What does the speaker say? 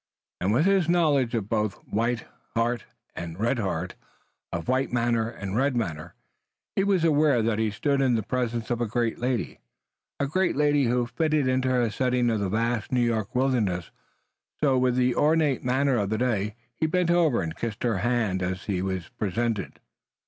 And with his knowledge of both white heart and red heart, of white manner and red manner, he was aware that he stood in the presence of a great lady, a great lady who fitted into her setting of the vast New York wilderness. So, with the ornate manner of the day, he bent over and kissed her hand as he was presented.